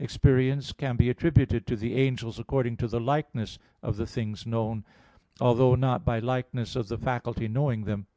Experience can be attributed to the angels according to the likeness of the things known, although not by likeness of the faculty knowing them.